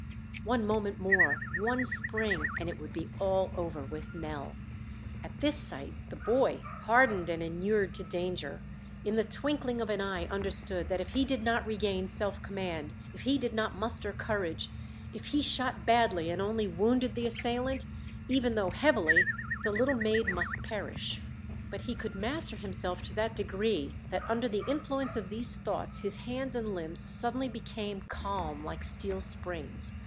One moment more one spring and it would be all over with Nell. At this sight the boy, hardened and inured to danger, in the twinkling of an eye understood that if he did not regain self command, if he did not muster courage, if he shot badly and only wounded the assailant, even though heavily, the little maid must perish. But he could master himself to that degree that under the influence of these thoughts his hands and limbs suddenly became calm like steel springs.